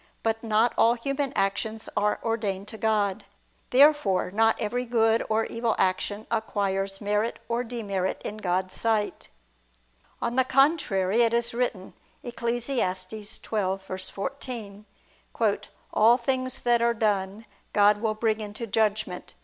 But not all human actions are ordained to God. Therefore not every good or evil action acquires merit or demerit in God's sight. On the contrary, It is written (Eccles. 12:14): "All things that are done, God will bring into judgment